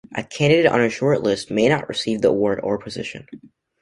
A candidate on a short list may not receive the award or position.